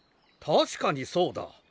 確かにそうだ。